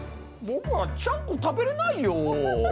僕はちゃんこ食べれないよ！